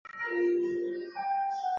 但遭遇肃顺严厉的反对。